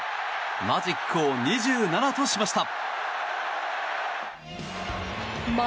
マジックを２７としました。